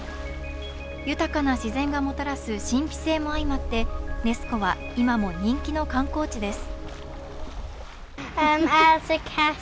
豊かな自然がもたらす神秘性も相まって、ネス湖は今も人気の観光地です。